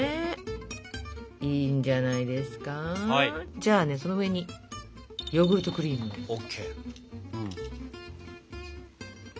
じゃあねその上にヨーグルトクリーム。ＯＫ！